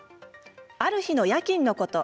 ある日の夜勤のこと。